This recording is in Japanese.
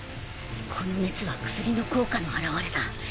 この熱は薬の効果の表れだ。